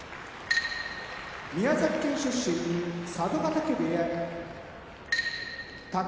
宮崎県出身佐渡ヶ嶽部屋宝